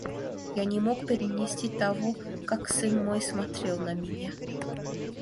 Я не мог перенести того, как сын мой смотрел на меня.